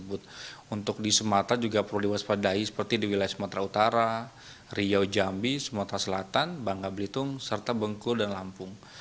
untuk di sumatera juga perlu diwaspadai seperti di wilayah sumatera utara riau jambi sumatera selatan bangka belitung serta bengkul dan lampung